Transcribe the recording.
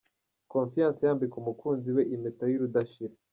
Confiance yambika umukunzi we impeta y'urudashira.